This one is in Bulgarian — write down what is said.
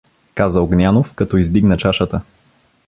— каза Огнянов, като издигна чашата.